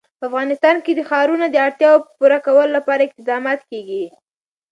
په افغانستان کې د ښارونه د اړتیاوو پوره کولو لپاره اقدامات کېږي.